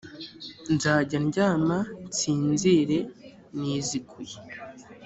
nzajya ndyama nsinzire niziguye